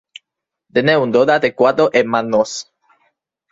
Tiene un total de cuatro hermanos.